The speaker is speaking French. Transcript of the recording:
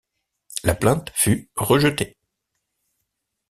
La plainte fut rejetée.